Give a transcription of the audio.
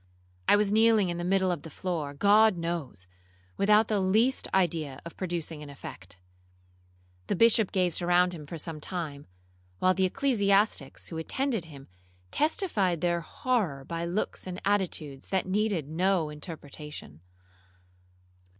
I was kneeling in the middle of the floor, God knows, without the least idea of producing an effect. The Bishop gazed around him for some time, while the ecclesiastics who attended him testified their horror by looks and attitudes that needed no interpretation.